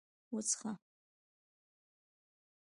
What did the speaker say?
_وڅښه!